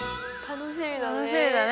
楽しみだね。